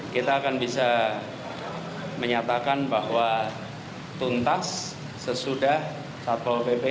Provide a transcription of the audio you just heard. kita akan bisa menyatakan bahwa tuntas sesudah satpol pp